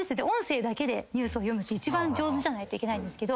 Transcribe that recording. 一番上手じゃないといけないんですけど。